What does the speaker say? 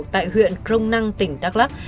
tại huyện crong năng tỉnh đắk lắc